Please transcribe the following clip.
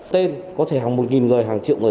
tên có thể hàng một người hàng triệu người